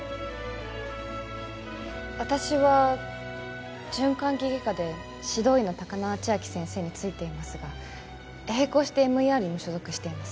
私は循環器外科で指導医の高輪千晶先生についていますが並行してＭＥＲにも所属しています